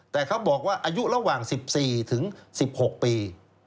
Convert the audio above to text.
แต่เขาบอกว่าอายุระหว่าง๑๔ถึง๑๖ปี